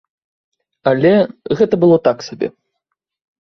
Але гэта было так сабе.